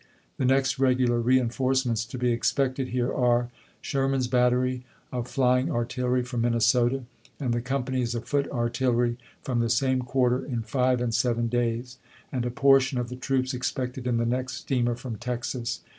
The next regular reen forcements to be expected here are : Sherman's battery of flying artillery from Minnesota, and the companies of foot artillery from the same quarter, in five and seven days ; and a portion of the troops expected in the next steamer from Texas.